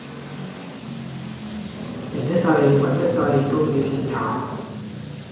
人一世物一世都要試下